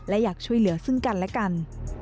และอยากช่วยเหลือซึ่งกันและกัน